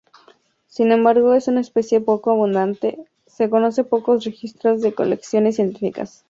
Sin embargo, es una especie poco abundante, se conocen pocos registros en colecciones científicas.